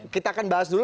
kita akan bahas dulu